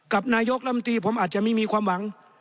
กับนายกรรมตรีผมอาจจะไม่มีความหวัง